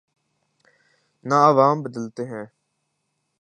نہ عوام بدلتے ہیں۔